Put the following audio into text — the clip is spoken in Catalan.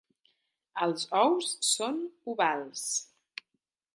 Els ous són ovals.